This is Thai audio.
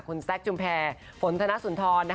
คุณแซคชุมแพรฝนธนสุนทร